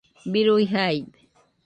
birui jaide